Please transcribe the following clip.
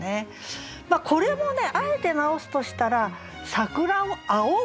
これもねあえて直すとしたら「桜を仰ぐ」。